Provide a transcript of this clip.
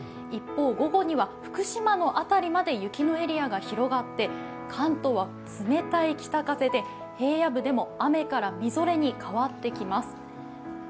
一方、午後には福島の辺りまで雪のエリアが広がって関東は冷たい北風で平野部でも雨からみぞれに変わってきます。